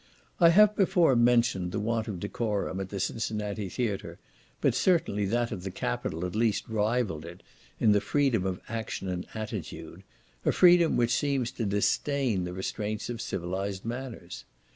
I have before mentioned the want of decorum at the Cincinnati theatre, but certainly that of the capital at least rivalled it in the freedom of action and attitude; a freedom which seems to disdain the restraints of civilized manners.